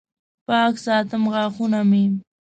پاک ساتم غاښونه مې